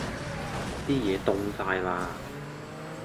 啲野凍曬啦!